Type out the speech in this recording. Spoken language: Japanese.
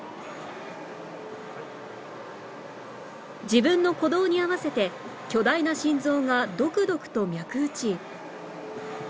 自分の鼓動に合わせて巨大な心臓がドクドクと脈打ち